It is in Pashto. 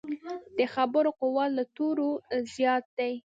د خبرو قوت له تورو زیات دی.